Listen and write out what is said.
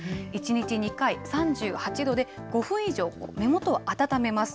１日２回、３８度で５分以上、目元を温めます。